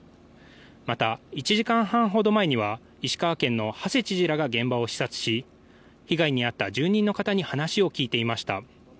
また１時間半ほど前には石川県の馳知事らが現場を視察し被害に遭った住人の方に話を聞いていました。